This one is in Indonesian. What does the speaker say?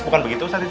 bukan begitu ustadz